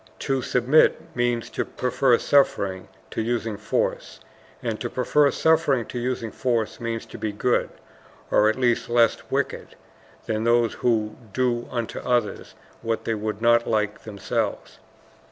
To submit means to prefer suffering to using force. And to prefer suffering to using force means to be good, or at least less wicked than those who do unto others what they would not like themselves.